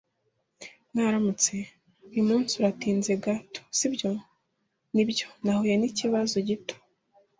"Mwaramutse. Uyu munsi uratinze gato sibyo?" "Nibyo, nahuye n'ikibazo gito."